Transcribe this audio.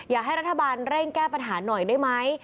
อยากให้รัฐบาลเร่งแก้ปัญหาหน่อยได้ไหม